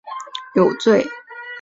没有被告否认有罪。